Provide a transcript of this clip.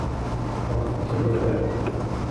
Ur ɣ-tettagad ara.